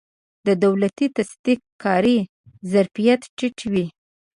د دولتي تصدیو کاري ظرفیت ټیټ وي.